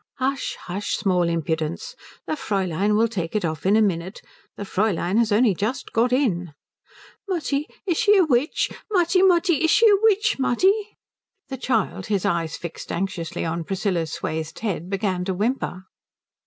"Hush, hush, small impudence. The Fräulein will take it off in a minute. The Fräulein has only just got in." "Mutti, is she a witch? Mutti, Mutti, is she a witch, Mutti?" The child, his eyes fixed anxiously on Priscilla's swathed head, began to whimper.